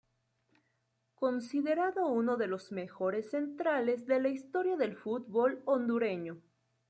Considerado uno de los mejores centrales de la historia del fútbol hondureño.